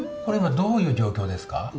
これ今どういう状況ですか？